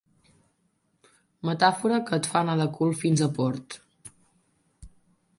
Metàfora que et fa anar de cul fins a port.